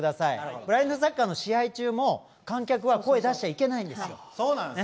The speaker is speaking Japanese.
ブラインドサッカーの試合中も観客は声出しちゃいけないんですよ。